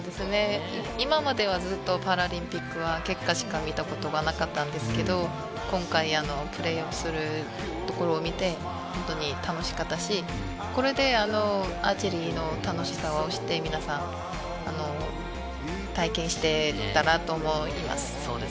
今まではずっと、パラリンピックは結果しか見たことがなかったんですけれど、今回、プレーをするところを見て本当に楽しかったし、これでアーチェリーの楽しさを知って皆さん体験してくれたらと思います。